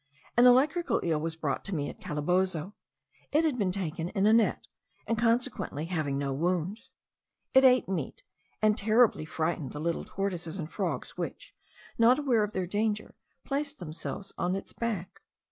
An electrical eel was brought to me at Calabozo: it had been taken in a net, and consequently having no wound. It ate meat, and terribly frightened the little tortoises and frogs which, not aware of their danger, placed themselves on its back.